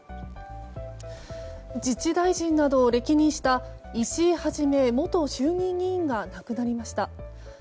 自治大臣などを歴任した石井一元衆議院議員が亡くなりました。